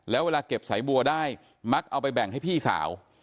แล้วเวลาเก็บสายบัวได้มักเอาไปแบ่งให้พี่สาว